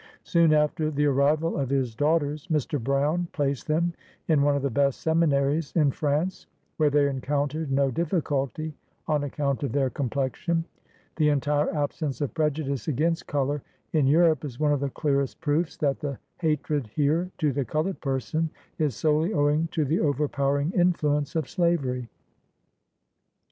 74 BIOGRAPHY OF Soon after the arrival of his daughters, Mr. Brown placed them in one of the best seminaries in France, where they encountered no difficulty on account of tteir complexion. The entire absence of prejudice against color in Europe is one of the clearest proofs that the hatred here to the colored person is solely owing to the overpowering influence of slavery. Mr.